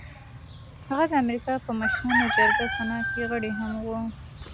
هغه د امريکا په مشرانو جرګه سنا کې غړی هم و.